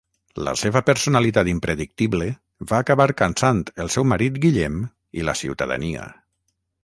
La seva personalitat impredictible va acabar cansant el seu marit Guillem i la ciutadania.